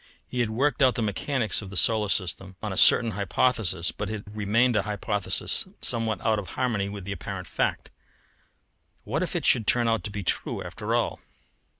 He had worked out the mechanics of the solar system on a certain hypothesis, but it had remained a hypothesis somewhat out of harmony with apparent fact. What if it should turn out to be true after all!